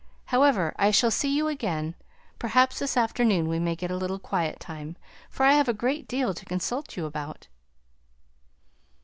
However, I shall see you again; perhaps this afternoon we may get a little quiet time, for I have a great deal to consult you about."